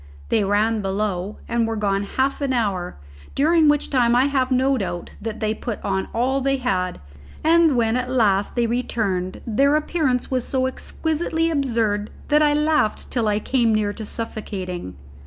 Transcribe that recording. They ran below, and were gone half an hour, during which time I have no doubt they put on all they had; and when at last they returned, their appearance was so exquisitely absurd that I laughed till I came near to suffocating.